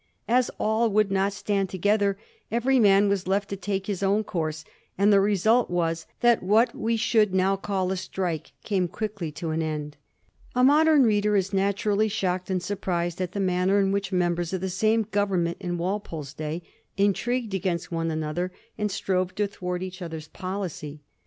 As all ^ould not stand together, every man was left to take his own course, and the result was that what we should now call a strike came quietly to an end. Digiti zed by Google 1725 INTRIGUE AND COUNTER INTRIGUE. 329 A modem reader is naturally shocked and sur prised at the manner in which members of the same Government in Walpole's day intrigued against one another, and strove to thwart each other's policy.